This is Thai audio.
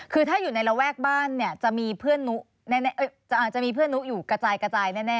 คือถ้าอยู่ในระแวกบ้านจะมีเพื่อนนุ๊กอยู่กระจายแน่ใช่ไหมคะ